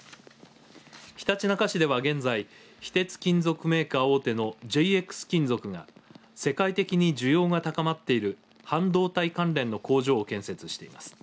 ひたちなか市では現在非鉄金属メーカー大手のＪＸ金属が世界的に需要が高まっている半導体関連の工場を建設しています。